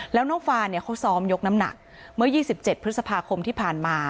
แล้วน้องฟาเนี่ยเขาซ้อมยกน้ำหนักเมื่อ๒๗พฤษภาคมที่ผ่านมา